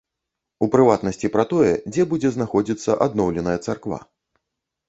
У прыватнасці пра тое, дзе будзе знаходзіцца адноўленая царква.